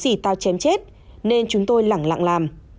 nếu gì tao chém chết nên chúng tôi lặng lặng làm